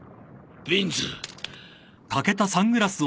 ビンズ。